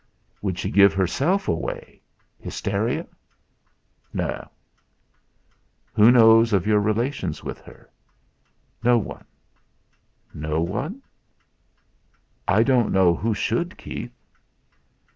"Would she give herself away hysteria?" "No." "Who knows of your relations with her?" "No one." "No one?" "I don't know who should, Keith."